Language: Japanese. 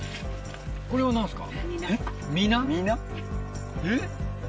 これは何すか？